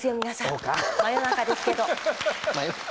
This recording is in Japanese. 皆さん。